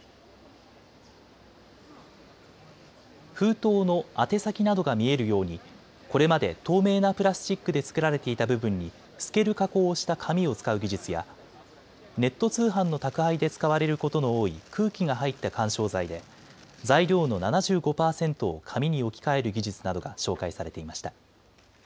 封筒の宛先などが見えるようにこれまで透明なプラスチックで作られていた部分に透ける加工をした紙を使う技術やネット通販の宅配で使われることの多い空気が入った緩衝材で材料の７５％を紙に置き換える技術などが紹介されていました。